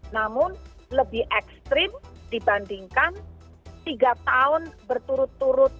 namun lebih ekstrim dibandingkan tiga tahun berturut turut